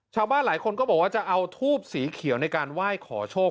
ชาวบ้านหลายคนก็บอกว่าจะเอาทูบสีเขียวในการไหว้ขอโชค